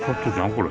これ。